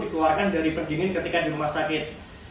dikeluarkan dari pendingin ketika di rumah sakit